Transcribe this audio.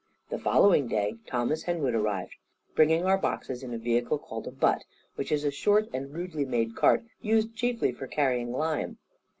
The following day, Thomas Henwood arrived, bringing our boxes in a vehicle called a "butt," which is a short and rudely made cart, used chiefly for carrying lime.